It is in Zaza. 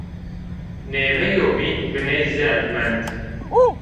Nêmeyo bîn biney zerd mend